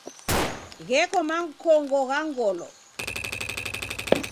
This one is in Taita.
Gheko makongo gha ngolo.